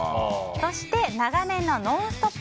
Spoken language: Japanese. そして長年の「ノンストップ！」